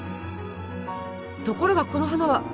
ところがこの花は。